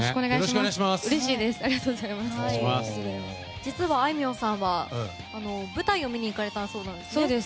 実は、あいみょんさんは舞台を見に行かれたそうですね。